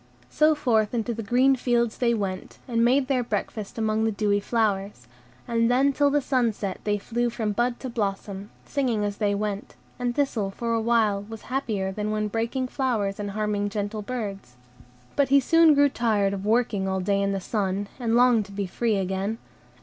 So forth into the green fields they went, and made their breakfast among the dewy flowers; and then till the sun set they flew from bud to blossom, singing as they went; and Thistle for a while was happier than when breaking flowers and harming gentle birds. But he soon grew tired of working all day in the sun, and longed to be free again.